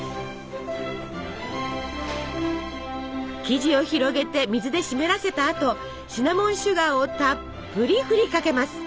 生地を広げて水で湿らせたあとシナモンシュガーをたっぷり振りかけます。